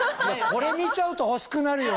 これ見ちゃうと欲しくなるよね。